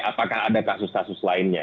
apakah ada kasus kasus lainnya